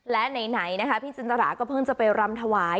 และไหนนะคะพี่จินตราก็เพิ่งจะไปรำถวาย